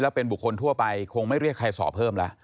เป็นบุคคลทั่วไปคงไม่เรียกใครสอบเพิ่มแล้ว